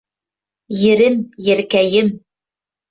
— Ерем, еркәйем!